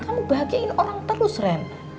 kamu bahagiain orang terus rem